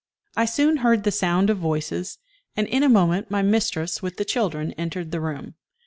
I soon heard the sound of voices, and in a moment my mistress with the children entered the room.